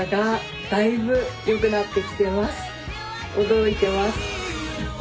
驚いてます。